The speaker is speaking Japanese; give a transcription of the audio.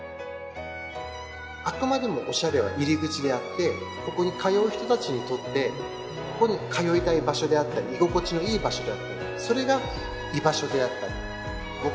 あくまでもオシャレは入り口であってここに通う人たちにとってここに通いたい場所であったり居心地のいい場所だったりそれが居場所であったり。